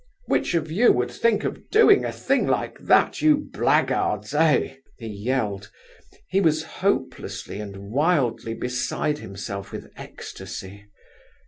Which of you would think of doing a thing like that, you blackguards, eh?" he yelled. He was hopelessly and wildly beside himself with ecstasy.